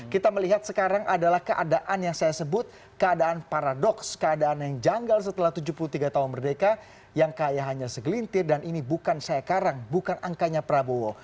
kita melihat sekarang adalah keadaan yang saya sebut keadaan paradoks keadaan yang janggal setelah tujuh puluh tiga tahun merdeka yang kaya hanya segelintir dan ini bukan saya karang bukan angkanya prabowo